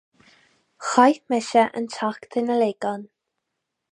Chaith mise an tseachtain uilig ann.